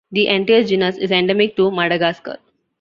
The entire genus is endemic to Madagascar.